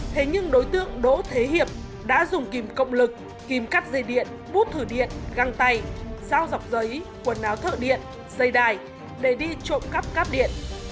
thế nhưng đối tượng đỗ thế hiệp đã dùng kìm cộng lực kìm cắt dây điện bút thử điện găng tay dao dọc giấy quần áo thợ điện xây đài để đi trộm cắp cáp điện